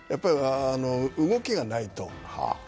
動きがないと。